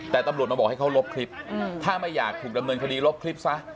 แต่ตำรวจมาบอกให้เขาลบคลิปถ้าไม่อยากถูกดำเนินคดีลบคลิปซะ